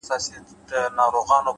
صبر د وخت احترام دی.!